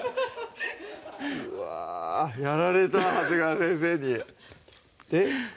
うわやられた長谷川先生にで？